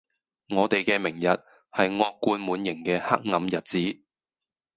我地既明日,係惡貫滿刑既黑暗日子